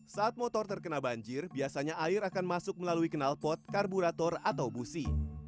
saat motor terkena banjir biasanya air akan masuk melalui kenal pot karburator atau busi